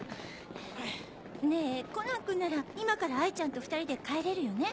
ねぇコナン君なら今から哀ちゃんと２人で帰れるよね？